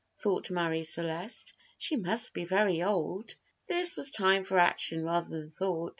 thought Marie Celeste; "she must be very old." But this was time for action rather than thought.